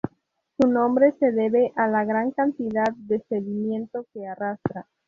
Su nombre se debe a la gran cantidad de sedimento que arrastra.